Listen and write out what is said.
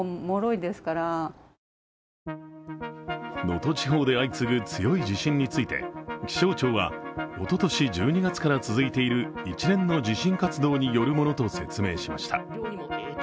能登地方で相次ぐ強い地震について気象庁はおととし１２月から続いている一連の地震活動によるものと説明しました。